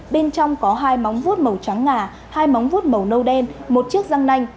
bên trong có hai móng vút màu trắng ngà hai móng vuốt màu nâu đen một chiếc răng nanh